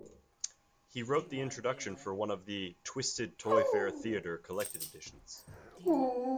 He wrote the introduction for one of the "Twisted ToyFare Theatre" collected editions.